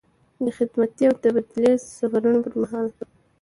د خدمتي او تبدیلي سفرونو پر مهال.